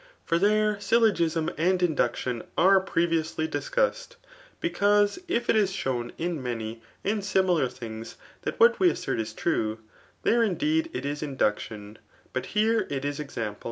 For there syllogism and induction are previously discussed ; because if it is diown in many and rimilar things disc what we assart is nrue, tkere indeed it is inductbn, bM here it h exunpk.